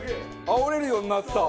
煽れるようになった！